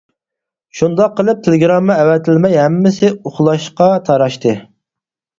شۇنداق قىلىپ، تېلېگرامما ئەۋەتىلمەي ھەممىسى ئۇخلاشقا تاراشتى.